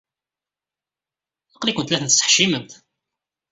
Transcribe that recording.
Aql-ikent la tent-tettḥeccimemt.